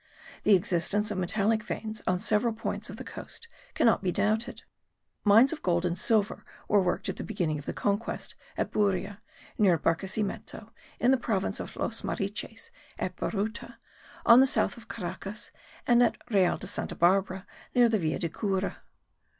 The existence of metallic veins on several points of the coast cannot be doubted. Mines of gold and silver were worked at the beginning of the conquest at Buria, near Barquesimeto, in the province of Los Mariches, at Baruta, on the south of Caracas, and at Real de Santa Barbara near the Villa de Cura.